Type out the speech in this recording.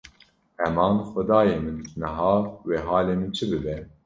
Eman, Xwedayê min! Niha wê halê min çi bibe?